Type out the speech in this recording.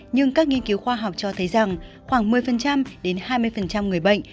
nhưng các nghiên cứu khoa học cho thấy rằng khoảng một mươi đến hai mươi người bệnh